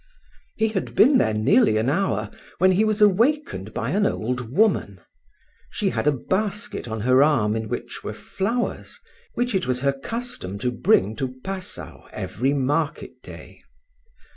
He had been there nearly an hour, when he was awakened by an old woman. She had a basket on her arm, in which were flowers, which it was her custom to bring to Passau every market day.